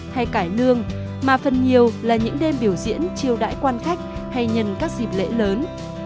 hay cải lương mà phần nhiều là những đêm biểu diễn triều đãi quan khách hay nhân các dịp lễ lớn